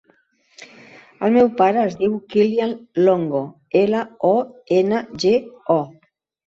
El meu pare es diu Kylian Longo: ela, o, ena, ge, o.